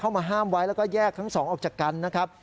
มาห้ามไว้แล้วก็แยกทั้งสองออกจากกันนะครับ